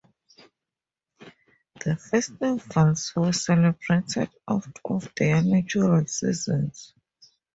The festivals were celebrated out of their natural seasons.